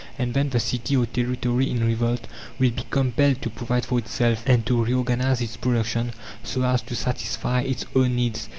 And then, the city or territory in revolt will be compelled to provide for itself, and to reorganize its production, so as to satisfy its own needs.